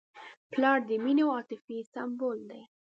پلار د مینې او عاطفې سمبول دی.